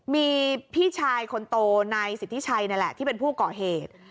มีพี่ชายคนโตนายสิทธิชัยนั่นแหละที่เป็นผู้ก่อเหตุ